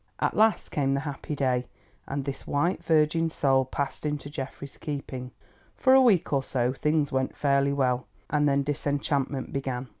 At last came the happy day, and this white virgin soul passed into Geoffrey's keeping. For a week or so things went fairly well, and then disenchantment began.